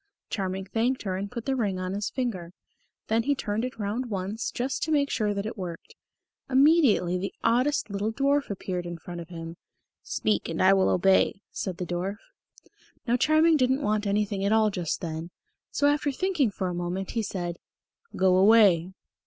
Charming thanked her and put the ring on his finger. Then he turned it round once just to make sure that it worked. Immediately the oddest little dwarf appeared in front of him. "Speak and I will obey," said the dwarf. Now Charming didn't want anything at all just then, so after thinking for a moment, he said, "Go away!"